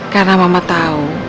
karena mama tahu